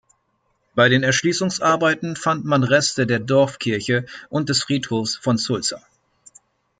Bei den Erschließungsarbeiten fand man Reste der Dorfkirche und des Friedhofs von Sulza.